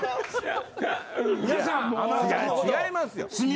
宮根さん、違いますよ。